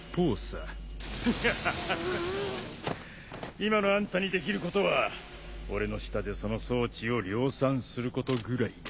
今のあんたにできることは俺の下でその装置を量産することぐらいだ。